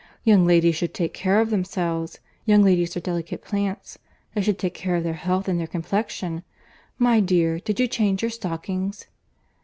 Young ladies should take care of themselves.—Young ladies are delicate plants. They should take care of their health and their complexion. My dear, did you change your stockings?"